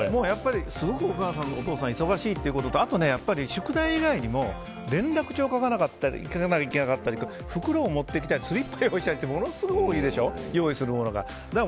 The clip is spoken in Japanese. すごくお母さん、お父さんが忙しいということとあと、宿題以外にも連絡帳を書かなきゃいけなかったり袋を持ってきたりスリッパ用意したりってものすごく用意するものが多いでしょ。